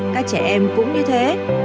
các trẻ em cũng như thế